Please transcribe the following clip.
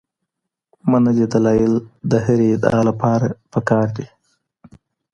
منلي دلایل د هرې ادعا لپاره پکار دي.